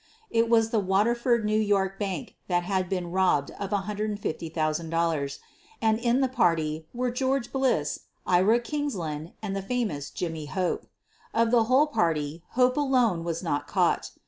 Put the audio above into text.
It was the Waterford, N. Y., bank that had been QUEEN OF THE BURGLARS 63 robbed of $150,000, and in the party were George Bliss, Ira Kingsland, and the famous Jimmy Hope. Of the whole party, Hope alone was not caught.